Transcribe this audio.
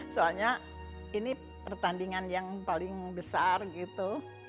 soalnya ini pertandingan yang paling besar gitu